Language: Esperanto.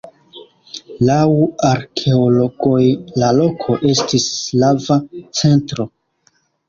Laŭ arkeologoj la loko estis slava centro.